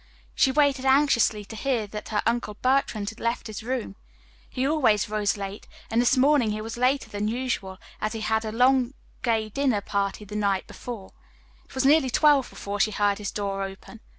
She waited anxiously to hear that her Uncle Bertrand had left his room. He always rose late, and this morning he was later than usual as he had had a long gay dinner party the night before. It was nearly twelve before she heard his door open.